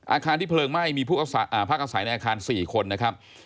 อาคารที่เพลิงไหม้มีผู้พักอาศัยในอาคาร๔คนนะครับ